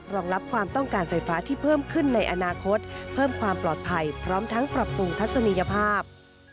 รองรับความต้องการไฟฟ้าที่เพิ่มขึ้นในอนาคตเพิ่มความปลอดภัยพร้อมทั้งปรับปรุงทัศนียภาพ